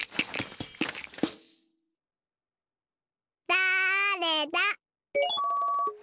だれだ？